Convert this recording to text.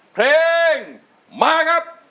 เพลงมาครับ